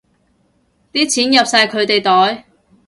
啲錢入晒佢哋袋